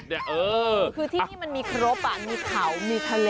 คือที่นี่มันมีครบมีเขามีทะเล